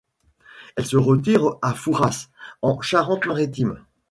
Il se retire à Fouras, en Charente-Maritime.